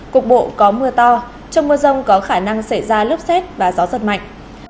cục bộ có mưa to trong mưa rông có khả năng xảy ra lốc xét và gió giật mạnh